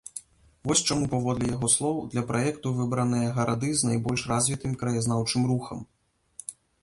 Вось чаму, паводле яго слоў, для праекту выбраныя гарады з найбольш развітым краязнаўчым рухам.